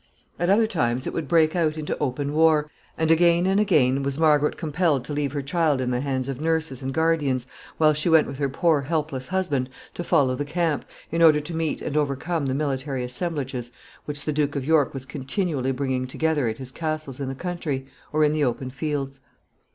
At other times it would break out into open war, and again and again was Margaret compelled to leave her child in the hands of nurses and guardians, while she went with her poor helpless husband to follow the camp, in order to meet and overcome the military assemblages which the Duke of York was continually bringing together at his castles in the country or in the open fields.